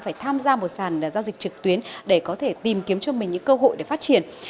phải tham gia một sàn giao dịch trực tuyến để có thể tìm kiếm cho mình những cơ hội để phát triển